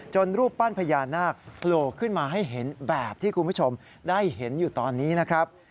รูปปั้นพญานาคโผล่ขึ้นมาให้เห็นแบบที่คุณผู้ชมได้เห็นอยู่ตอนนี้นะครับ